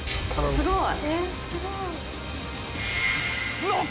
すごい！